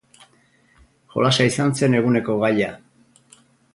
Jolasa izan zen eguneko gaia.